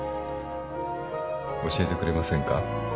教えてくれませんか？